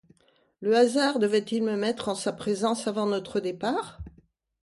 Le hasard devait-il me mettre en sa présence avant notre départ ?